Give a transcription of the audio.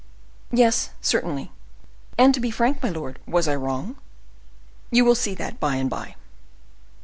"Yes, certainly. And, to be frank, my lord, was I wrong?" "You will see that by and by."